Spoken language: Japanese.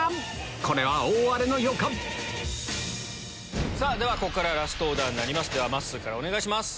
これは大荒れの予感ここからラストオーダーですまっすーからお願いします。